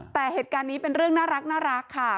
แต่เหตุการณ์นี้เป็นเรื่องน่ารักค่ะ